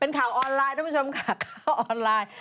เป็นข่าวออนไลน์ด้วยคุณผู้ชมกับออนไลน์